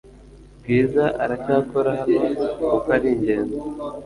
Bwiza aracyakora hano kuko ari ingenzi